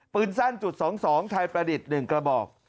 ปืนสั้นจุด๒๒ไทยประดิษฐ์๑กระบอก